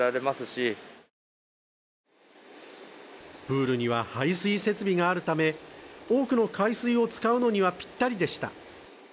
プールには排水設備があるため、多くの海水を使うのにはぴったりでした。